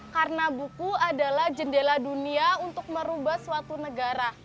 karena buku adalah jendela dunia untuk merubah suatu negara